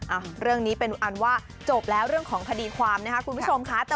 อ่ะเรื่องนี้เป็นอันว่าจบแล้วเรื่องของคดีความนะคะคุณผู้ชมค่ะ